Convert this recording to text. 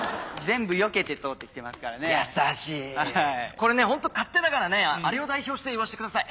これねホント勝手ながらアリを代表して言わせてください。